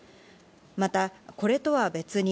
また、これとは別に